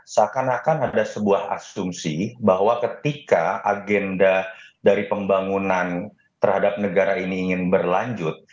seakan akan ada sebuah asumsi bahwa ketika agenda dari pembangunan terhadap negara ini ingin berlanjut